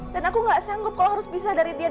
dan aku nggak sanggup kalau harus bisa dari dia